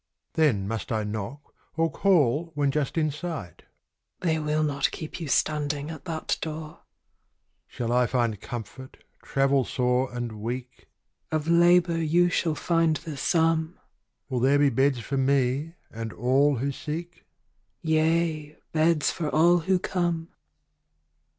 Then must I knock, or call when just in sight? They will not keep you standing at that door. Shall I find comfort, travel sore and weak? Of labor you shall find the sum. Will there be beds for me and all who seek? Yea, beds for all who come.